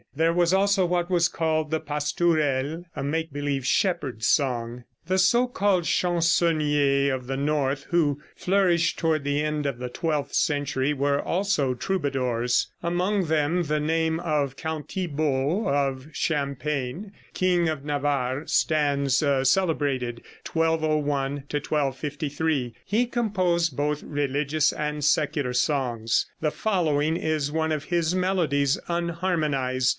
There was also what was called the pastourelle, a make believe shepherd's song. The so called chansonniers of the north, who flourished toward the end of the twelfth century, were also troubadours. Among them the name of Count Thibaut of Champagne, king of Navarre, stands celebrated 1201 1253. He composed both religious and secular songs. The following is one of his melodies unharmonized.